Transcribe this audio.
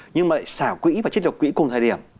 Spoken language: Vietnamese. nhưng mà lại xả quỹ và trích lập quỹ cùng thời điểm